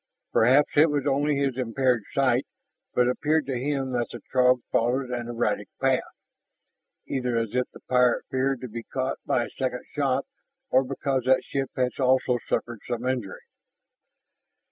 Perhaps it was only his impaired sight, but it appeared to him that the Throg followed an erratic path, either as if the pilot feared to be caught by a second shot, or because that ship had also suffered some injury.